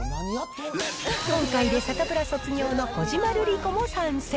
今回でサタプラ卒業の小島瑠璃子も参戦。